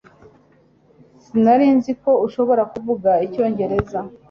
Sinari nzi ko ashobora kuvuga icyongereza